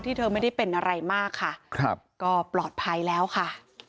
เธอไม่ได้เป็นอะไรมากค่ะครับก็ปลอดภัยแล้วค่ะ